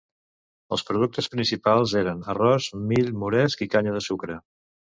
Els productes principals eren arròs, mill, moresc i canya de sucre.